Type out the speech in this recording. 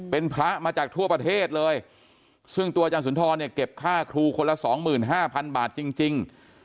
เป็นพระมาจากทั่วประเทศเลยซึ่งตัวอาจารย์สุนทรเนี่ยเก็บค่าครูคนละ๒๕๐๐๐บาทจริง